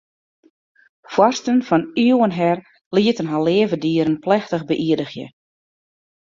Foarsten fan iuwen her lieten har leave dieren plechtich beïerdigje.